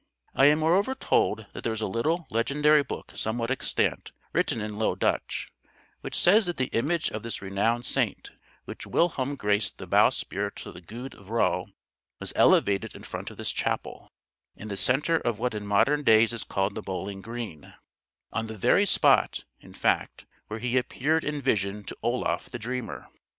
I am moreover told that there is a little legendary book somewhere extant, written in Low Dutch, which says that the image of this renowned saint, which whilom graced the bow sprit of the Goede Vrouw, was elevated in front of this chapel, in the center of what in modern days is called the Bowling Green on the very spot, in fact, where he appeared in vision to Oloffe the Dreamer.